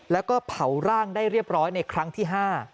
แล้วก็เผาร่างได้เรียบร้อยในครั้งที่๕